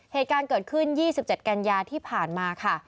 เหตุการณ์เกิดขึ้น๒๗กันยาที่ผ่านมาค่ะ